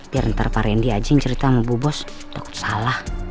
biar ntar pak randy aja yang cerita sama bu bos takut salah